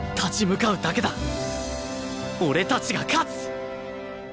俺たちが勝つ！